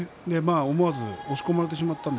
思わず押し込まれてしまいました。